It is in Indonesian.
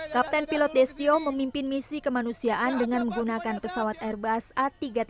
kapten pilot destio memimpin misi kemanusiaan dengan menggunakan pesawat airbus a tiga ratus tiga puluh